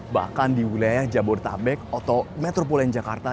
bahkan di wilayah jabodetabek atau metropole jakarta